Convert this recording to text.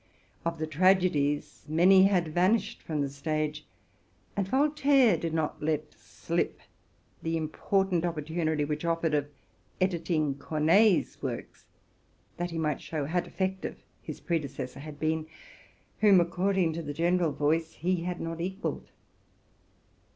Of the tragedies, many had vanished from the stage; and Voltaire did not let slip the important oppor tunity Whie h offered of editing Corneille's works, that he might show how defective his predec essor had been, whom, ace cording to the general voice, he had not equalled.